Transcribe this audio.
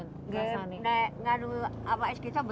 nggak tapi kalau kita pakai apa apa